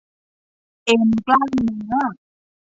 เอ็นกล้ามเนื้อ